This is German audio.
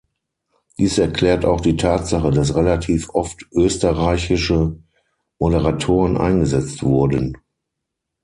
Dies erklärt auch die Tatsache, dass relativ oft österreichische Moderatoren eingesetzt wurden.